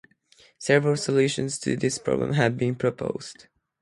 Several solutions to this problem have been proposed.